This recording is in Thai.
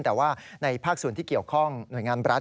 แต่ว่าในภาคส่วนที่เกี่ยวข้องหน่วยงานรัฐ